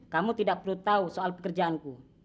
kamu tidak perlu tahu soal pekerjaanku